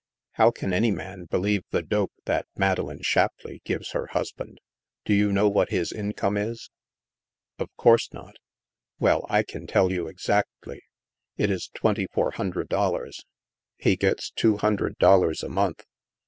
How can any man believe the dope that Madeleine Shapleigh gives her hus band ? Do you know what his income is ?" "Of course not." " Well, I can tell you exactly. It is twenty four hundred dollars. He gets two hundred dollars a month."